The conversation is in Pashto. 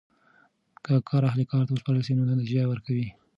که کار اهل کار ته وسپارل سي نو نتیجه ورکوي.